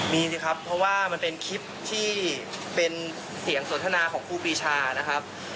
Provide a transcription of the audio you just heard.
มีสิครับเพราะว่ามันเป็นคลิปที่เป็นเสียงสนทนาของครูปีชานะครับ